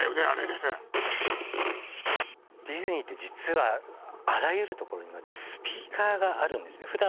あれねディズニーって実はあらゆる所にスピーカーがあるんですね